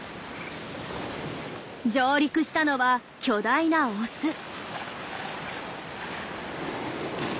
上陸したのは巨大なオス。